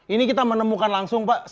ini kita menemukan langsung pak